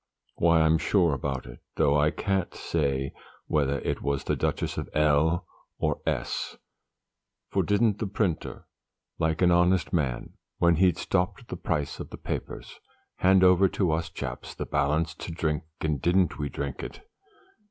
Why I'm sure about it though I can't say whether it were the Duchess of L or S ; for didn't the printer, like an honest man, when he'd stopped the price of the papers, hand over to us chaps the balance to drink, and didn't we drink it!